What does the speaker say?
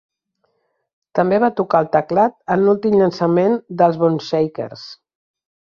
També va tocar el teclat en l'últim llançament dels Boneshakers.